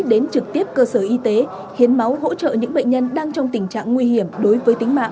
đến trực tiếp cơ sở y tế hiến máu hỗ trợ những bệnh nhân đang trong tình trạng nguy hiểm đối với tính mạng